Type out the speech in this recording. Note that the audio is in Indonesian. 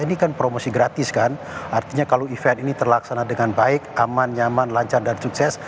ini kan promosi gratis kan artinya kalau event ini terlaksana dengan baik aman nyaman lancar dan sukses